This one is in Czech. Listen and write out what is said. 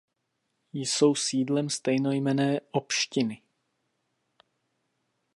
Jsou sídlem stejnojmenné opštiny.